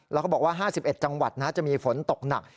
แล้วก็บอกว่า๕๑จังหวัดจะมีฝนตกหนัก